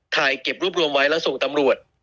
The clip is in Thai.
ถ่ายเก็บรวบรวมไว้แล้วส่งตำรวจ